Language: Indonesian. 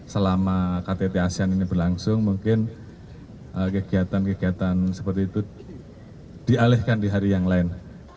selama ktt asean ini berlangsung mungkin kegiatan kegiatan seperti itu dialihkan di hari yang lain